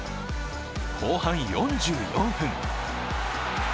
後半４４分。